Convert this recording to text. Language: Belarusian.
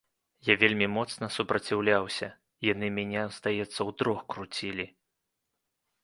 Я вельмі моцна супраціўляўся, яны мяне, здаецца, утрох круцілі.